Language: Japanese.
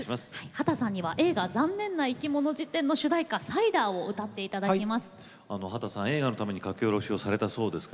秦さんには映画「ざんねんないきもの事典」の主題歌「サイダー」を歌っていただきます。